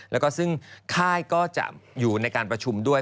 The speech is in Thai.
แล้วก็ซึ่งค่ายก็จะอยู่ในการประชุมด้วย